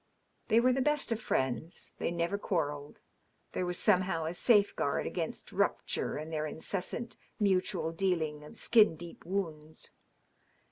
They were the best of friends ; iJiey never quar relled ; there was somehow a safeguard against rupture in their incessant mutual dealing of skin deep wounds.